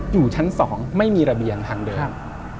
อยู่ชั้น๒ไม่มีระเบียงทางเดิน